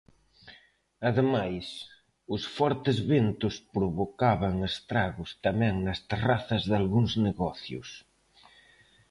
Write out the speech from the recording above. Ademais, os fortes ventos provocaban estragos tamén nas terrazas dalgúns negocios.